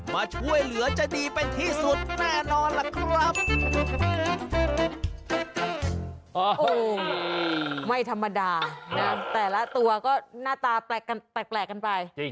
มาช่วยเหลือจะดีเป็นที่สุดแน่นอนล่ะครับ